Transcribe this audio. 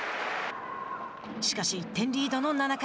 しかし、１点リードの７回。